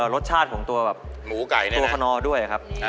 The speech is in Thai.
รสชาติของตัวแบบตัวขนอด้วยครับ